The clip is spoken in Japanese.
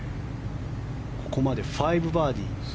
ここまで５バーディー。